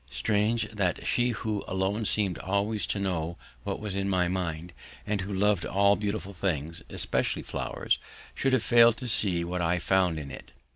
Strange that she who alone seemed always to know what was in my mind and who loved all beautiful things, especially flowers, should have failed to see what I had found in it!